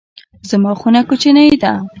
زما خونه کوچنۍ ده